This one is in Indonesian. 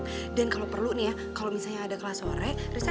bener ya jaga diri